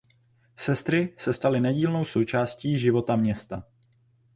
Sestry se staly nedílnou součástí života města.